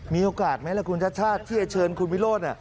มีโอกาสไหมล่ะคุณชาติชาติที่จะเชิญคุณวิโรธ